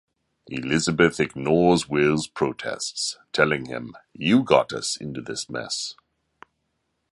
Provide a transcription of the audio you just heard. Elizabeth ignores Will's protests, telling him, You got us into this mess.